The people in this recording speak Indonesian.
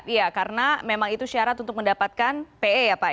iya karena memang itu syarat untuk mendapatkan pe ya pak